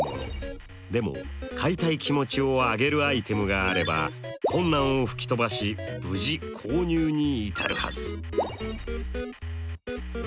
でも買いたい気持ちを上げるアイテムがあれば困難を吹き飛ばし無事購入に至るはず。